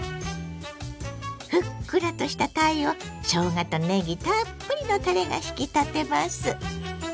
ふっくらとしたたいをしょうがとねぎたっぷりのたれが引き立てます。